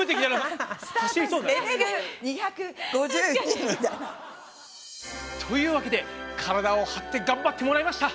レベル２５２。というわけで体を張ってがんばってもらいました！